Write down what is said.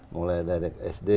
mulai dari sd